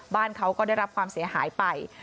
บ้านเขาก็ได้รับความเสียหายไป